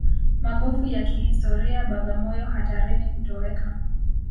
Magofu ya kihistoria Bagamoyo hatarini kutoweka